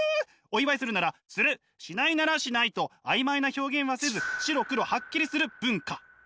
お祝いするならするしないならしないと曖昧な表現はせず白黒ハッキリする文化。